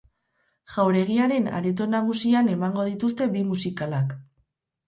Jauregiaren areto nagusian emango dituzte bi musikalak.